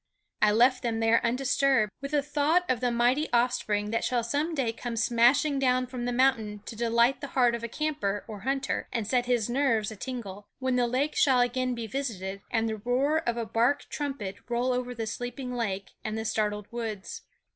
I left them there undisturbed, with a thought of the mighty offspring that shall some day come smashing down from the mountain to delight the heart of camper or hunter and set his nerves a tingle, when the lake shall again be visited and the roar of a bark trumpet roll over the sleeping lake and the startled woods.